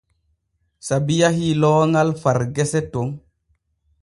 Sabi yahi looŋal far gese ton.